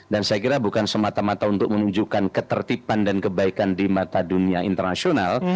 dan saya kira bukan semata mata untuk menunjukkan ketertiban dan kebaikan di mata dunia internasional